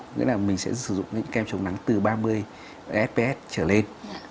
nghĩa là mình sẽ sử dụng những kem chống nắng từ ba mươi fps trở lên